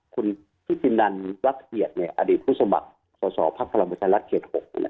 คุณพิธินันวักเหตุอดีตผู้สมัครส่วนภาคพลังประชาลรักษณ์เขต๖